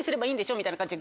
みたいな感じで。